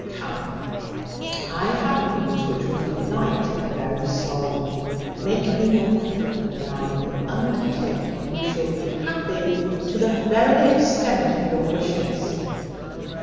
Come, I have news which will delight your very soul. Make me your confident, and I will undertake you shall be happy to the very extent of your wishes."